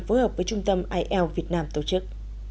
phối hợp với trung tâm ielts việt nam tổ chức